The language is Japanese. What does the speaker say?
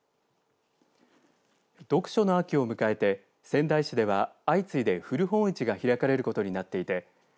読書の秋を迎えて仙台市では、相次いで古本市が開かれることになっていてＪＲ